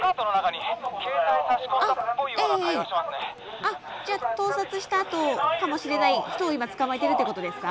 あっじゃあ盗撮したとかもしれない人を今捕まえてるってことですか？